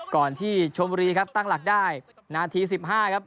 ก่อนที่ชมบุรีครับตั้งหลักได้นาที๑๕ครับ